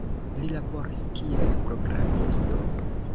Li laboris kiel programisto.